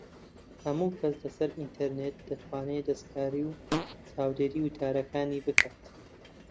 ھەموو کەس لە سەر ئینتەرنێت دەتوانێت دەستکاری و چاودێریی وتارەکانی بکات